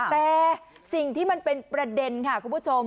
แต่สิ่งที่มันเป็นประเด็นค่ะคุณผู้ชม